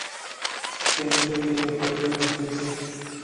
Teenager Liebe fue el primer sencillo.